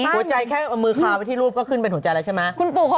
แค่เอามือคาไปที่รูปก็ขึ้นเป็นหัวใจแล้วใช่ไหม